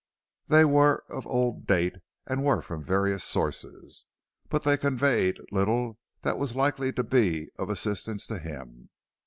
They were of old date and were from various sources. But they conveyed little that was likely to be of assistance to him.